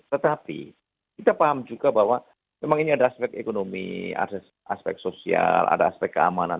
tetapi kita paham juga bahwa memang ini ada aspek ekonomi ada aspek sosial ada aspek keamanan